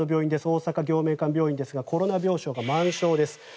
大阪暁明館病院ですがコロナ病床が満床です。